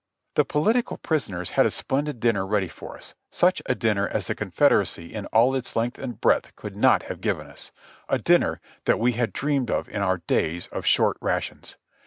The political prisoners had a splendid dinner ready for us, such a dinner as the Confederacy in all its length and breadth could not have given us ; a dinner that we had dreamed of in our days of short rations.